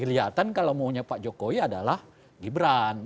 kelihatan kalau maunya pak jokowi adalah gibran